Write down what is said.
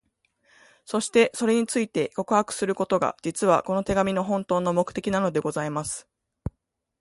そして、それについて、告白することが、実は、この手紙の本当の目的なのでございます。